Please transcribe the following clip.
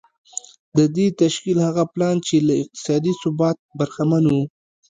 د دې تشکيل هغه پلان چې له اقتصادي ثباته برخمن و.